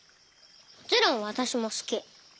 もちろんわたしもすき。